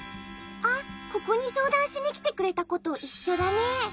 あっここにそうだんしにきてくれたこといっしょだね。